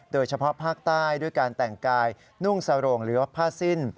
โดยเฉพาะภาคใต้ด้วยการแต่งกายนุ่งสโรงหรือว่าผ้าสิ้น